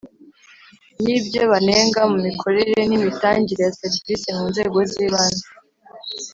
n ibyo banenga mu mikorere n imitangire ya serivisi mu nzego z ibanze